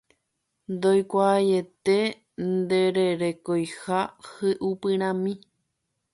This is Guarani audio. Ndoikuaaiete ndererekoiha hi'upyrãmi.